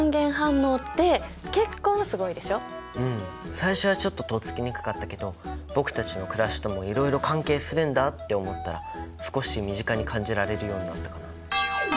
最初はちょっととっつきにくかったけど僕たちの暮らしともいろいろ関係するんだって思ったら少し身近に感じられるようになったかな。